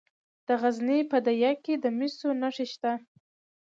د غزني په ده یک کې د مسو نښې شته.